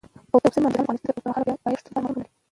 اوبزین معدنونه د افغانستان د اوږدمهاله پایښت لپاره مهم رول لري.